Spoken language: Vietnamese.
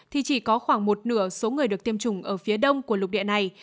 thì chỉ có khoảng một nửa số người được tiêm chủng ở phía đông của lục địa này